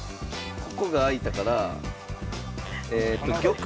ここが空いたから玉の。